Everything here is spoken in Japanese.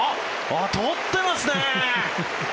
とってますね。